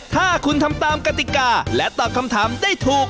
ถ้าคุณทำตามกติกาและตอบคำถามได้ถูก